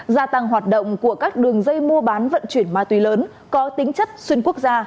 gia tăng hoạt động của các đường dây mua bán vận chuyển ma túy lớn có tính chất xuyên quốc gia